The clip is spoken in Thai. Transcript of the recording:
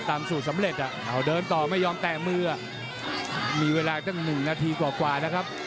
สูตรสำเร็จเอาเดินต่อไม่ยอมแตะมือมีเวลาตั้งหนึ่งนาทีกว่านะครับ